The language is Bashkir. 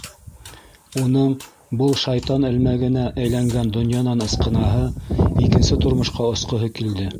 Уның был шайтан элмәгенә әйләнгән донъянан ысҡынаһы, икенсе тормошҡа осҡоһо килде.